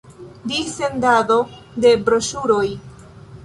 Dissendado de broŝuroj.